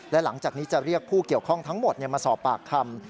และหลังจากนี้จะเรียกผู้เกี่ยวข้องทั้งหมดมาสอบปากคำ